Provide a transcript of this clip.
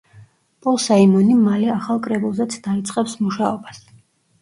პოლ საიმონი მალე ახალ კრებულზეც დაიწყებს მუშაობას.